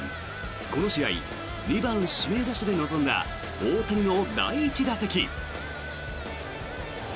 この試合、２番指名打者で臨んだ大谷の第１打席。